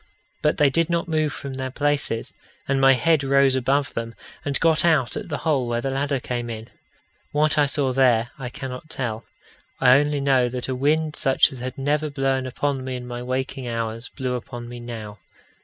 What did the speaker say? But they did not move from their places, and my head rose above them, and got out at the hole where the ladder came in. What I saw there, I cannot tell. I only know that a wind such as had never blown upon me in my waking hours, blew upon me now.